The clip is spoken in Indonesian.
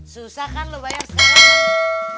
susah kan lo bayar sekarang